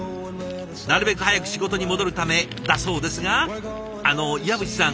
なるべく早く仕事に戻るためだそうですがあの岩渕さん